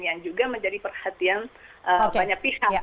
yang juga menjadi perhatian banyak pihak